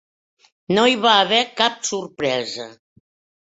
No hi va haver cap sorpresa.